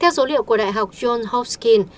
theo số liệu của đại học john hopkins